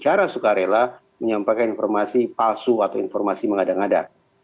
secara sukarela menyampaikan informasi palsu atau informasi mengada ngada